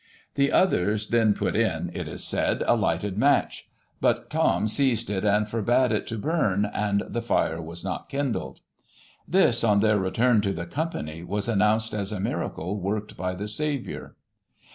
The others then put in, it is said, a lighted match ; but Thom seized it and forbade it to bum, and the fire was not kindled. This, on their return to the company, was announced as a miracle worked by the Saviour.